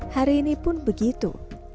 hari ini pun begitu